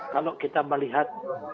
kalau kita melihat